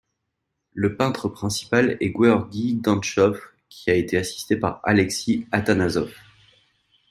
Le peintre principal est Gueorgui Dantchov, qui a été assisté par Aleksi Atanasov.